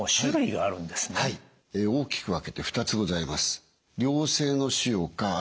大きく分けて２つございます。